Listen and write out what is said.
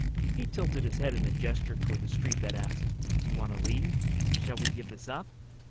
He tilted his head in a gesture toward the street that asked, "Do you want to leave? Shall we give this up?"